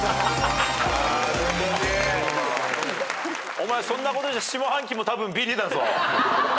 お前そんなことじゃ下半期もたぶんビリだぞ。